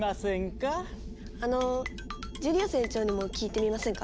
あのジュリオ船長にも聞いてみませんか？